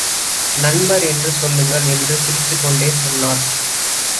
நண்பர் என்று சொல்லுங்கள் என்று சிரித்துக் கொண்டே சொன்னார்.